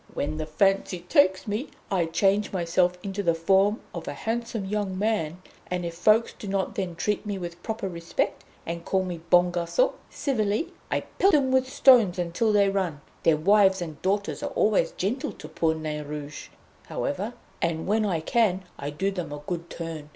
When the fancy takes me, I change myself into the form of a handsome young man, and if folks do not then treat me with proper respect, and call me 'Bon Garçon' civilly, I pelt them with stones until they run! Their wives and daughters are always gentle to poor Nain Rouge, however; and when I can, I do them a good turn.